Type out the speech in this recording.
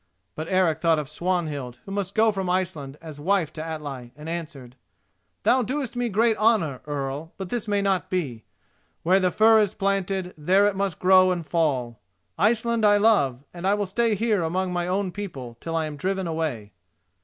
But Eric thought of Swanhild, who must go from Iceland as wife to Atli, and answered: "Thou doest me great honour, Earl, but this may not be. Where the fir is planted, there it must grow and fall. Iceland I love, and I will stay here among my own people till I am driven away."